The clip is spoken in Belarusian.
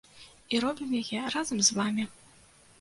І робім яе разам з вамі!